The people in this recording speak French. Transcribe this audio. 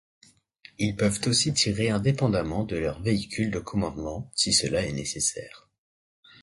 Ils peuvent aussi tirer indépendamment de leur véhicule de commandement, si cela est nécessaire.